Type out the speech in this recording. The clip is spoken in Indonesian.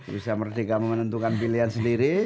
bisa merdeka menentukan pilihan sendiri